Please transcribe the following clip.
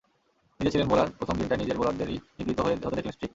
নিজে ছিলেন বোলার, প্রথম দিনটায় নিজের বোলারদেরই নিপীড়িত হতে দেখলেন স্ট্রিক।